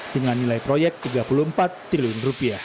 dengan nilai proyek rp tiga puluh empat triliun